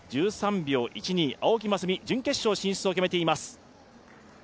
１３秒１２、青木益未、準決勝進出を決めています。